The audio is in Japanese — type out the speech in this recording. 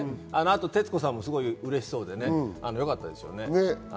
あと徹子さんもすごい嬉しそうでよかったですよね。